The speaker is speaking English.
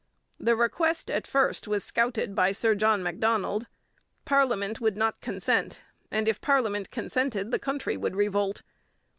The request at first was scouted by Sir John Macdonald. Parliament would not consent, and if parliament consented the country would revolt.